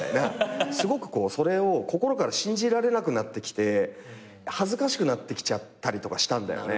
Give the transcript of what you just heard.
すごくそれを心から信じられなくなってきて恥ずかしくなってきちゃったりとかしたんだよね。